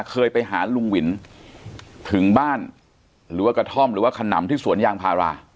เคยไปหาลุงวินถึงบ้านหรือว่ากระท่อมหรือว่าขนำที่สวนยางพารา